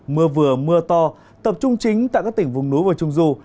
mưa vừa mưa to tập trung chính tại các tỉnh vùng núi và trung du